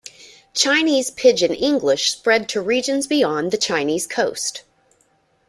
Chinese Pidgin English spread to regions beyond the Chinese Coast.